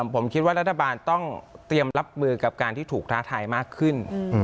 ผมคิดว่ารัฐบาลต้องเตรียมรับมือกับการที่ถูกท้าทายมากขึ้น